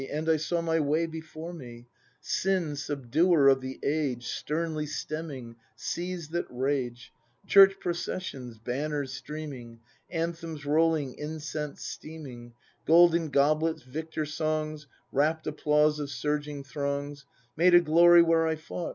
And I saw my way before me; — Sin subduer of the Age Sternly stemming seas that rage. Church processions, banners streaming. Anthems rolling, incense steaming. Golden goblets, victor songs. Rapt applause of surging throngs, Made a glory where I fought.